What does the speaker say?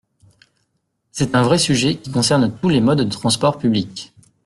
C’est un vrai sujet qui concerne tous les modes de transport public.